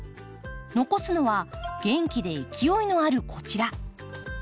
残すのは元気で勢いのあるこちら。